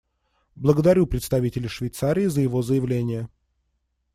Благодарю представителя Швейцарии за его заявление.